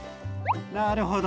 なるほど。